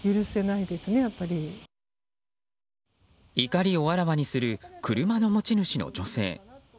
怒りをあらわにする車の持ち主の女性。